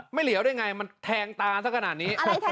เหลียวได้ไงมันแทงตาสักขนาดนี้